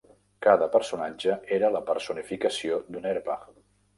Cada personatge era la personificació d'una herba.